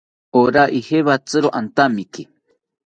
Orya ijawatziro antamiki